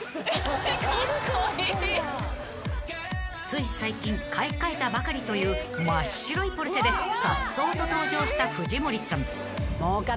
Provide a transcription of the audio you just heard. ［つい最近買い替えたばかりという真っ白いポルシェでさっそうと登場した藤森さん］